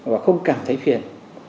và không cảm thấy phiền